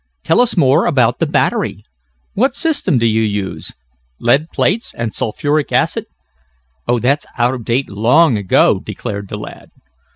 Tell us more about the battery. What system do you use; lead plates and sulphuric acid?" "Oh, that's out of date long ago," declared the lad.